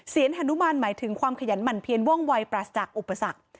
ฮานุมานหมายถึงความขยันหมั่นเพียนว่องวัยปราศจากอุปสรรค